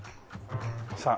さあ